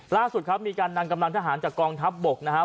ล่าสุดครับมีการนำกำลังทหารจากกองทัพบกนะครับ